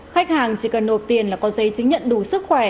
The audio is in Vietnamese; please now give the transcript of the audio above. khách hàng chỉ cần nộp tiền là có giấy chứng nhận đủ sức khỏe